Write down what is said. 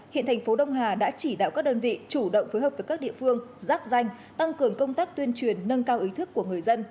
hiện thành phố đông hà đã chỉ đạo các đơn vị chủ động phối hợp với các địa phương giáp danh tăng cường công tác tuyên truyền nâng cao ý thức của người dân